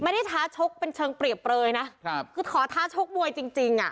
ท้าชกเป็นเชิงเปรียบเปลยนะครับคือขอท้าชกมวยจริงจริงอ่ะ